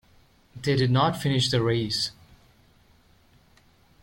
They did not finish the race.